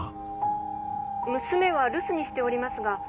「娘は留守にしておりますが。